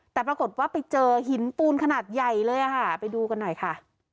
แต่ปรากฏว่าไปเจอหินปูนขนาดใหญ่เลยค่ะไปดูกันหน่อยค่ะ